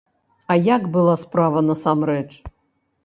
А як была справа насамрэч?